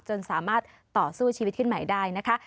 จนสามารถต่อสู้ชีวิตขึ้นใหม่ได้นะคะ